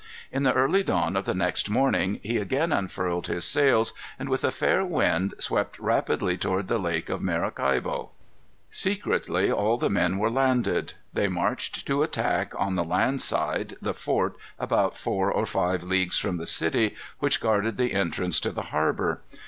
In the early dawn of the next morning he again unfurled his sails, and, with a fair wind, swept rapidly toward the Lake of Maracaibo. Secretly all the men were landed. They marched to attack, on the land side, the fort, about four or five leagues from the city, which guarded the entrance to the harbor.